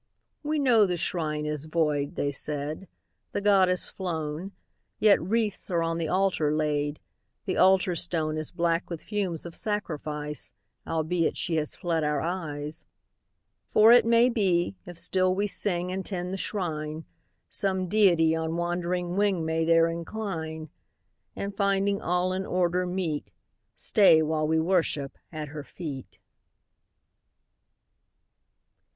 "We know the Shrine is void," they said, "The Goddess flown Yet wreaths are on the Altar laid The Altar Stone Is black with fumes of sacrifice, Albeit She has fled our eyes. "For it may be, if still we sing And tend the Shrine, Some Deity on wandering wing May there incline; And, finding all in order meet, Stay while we worship at Her feet."